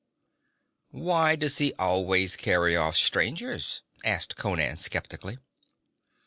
'Why does he always carry off strangers?' asked Conan skeptically.